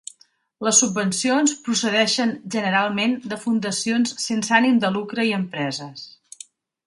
Les subvencions procedeixen generalment de fundacions sense ànim de lucre i empreses.